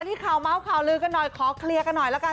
ที่ข่าวเมาส์ข่าวลือกันหน่อยขอเคลียร์กันหน่อยละกัน